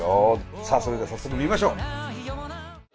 さあそれでは早速見ましょう！